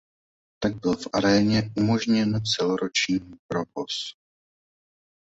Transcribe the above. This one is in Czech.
Tak byl v "Aréně" umožněn celoroční provoz.